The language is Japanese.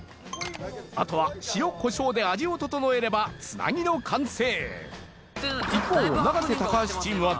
あとは塩コショウで味を調えればつなぎの完成